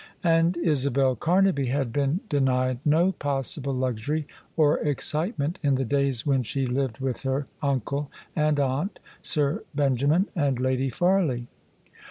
And Isabel Camaby had been denied no possible luxury or excitement in the days when she lived with her uncle and aunt, Sir Benjamin and Lady Farley.